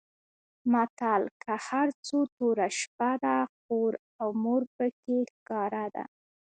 متل؛ که هر څو توره شپه ده؛ خور او مور په کې ښکاره ده.